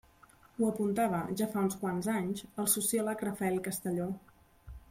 Ho apuntava, ja fa uns quants anys, el sociòleg Rafael Castelló.